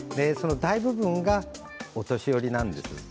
その大部分がお年寄りなんです。